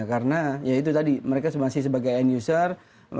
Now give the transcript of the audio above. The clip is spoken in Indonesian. karena ya itu tadi mereka masih sebagai end user